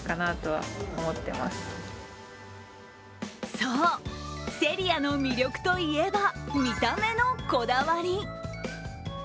そう、Ｓｅｒｉａの魅力といえば見た目のこだわり。